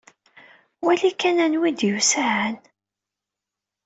Wali kan anwa i d-yusan!